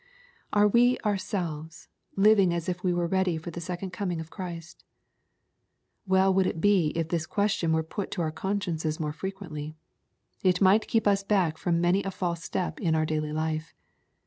Are we ourselves living as if we were ready for the second coming of Christ ? Well would it be if this question were put to our consciences more frequently. It might keep us back from many a false step in our daily life.